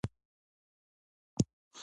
د مېلو له پاره ځوانان ګډو تمرینونه کوي.